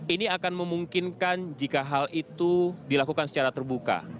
ini akan memungkinkan jika hal itu dilakukan secara terbuka